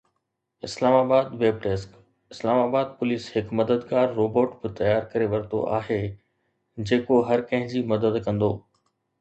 اسلام آباد (web desk) Islamabad police هڪ مددگار روبوٽ به تيار ڪري ورتو آهي جيڪو هر ڪنهن جي مدد ڪندو